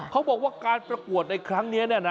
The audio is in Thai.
เขาบอกว่าการประกวดในครั้งนี้